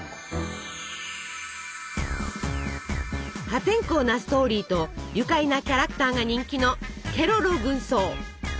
破天荒なストーリーと愉快なキャラクターが人気の「ケロロ軍曹」！